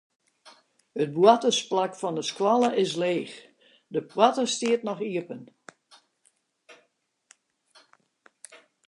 It boartersplak fan de skoalle is leech, de poarte stiet noch iepen.